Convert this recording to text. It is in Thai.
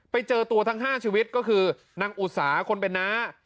ไปเจอตัวทั้ง๕ชีวิตก็คือนางอุตสาคนเป็นน้า